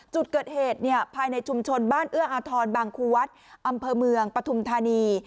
จุดเกิดเหตุภายในชุมชนบ้านเอื้ออาทรบางครูวัดอำเภอเมืองปฐุมธานี